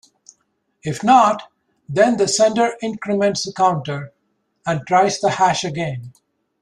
If not, then the sender increments the counter and tries the hash again.